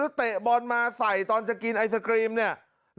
เขาเตะบอลมาใส่ตอนจะกินไอบรูปหน้าเนี่ย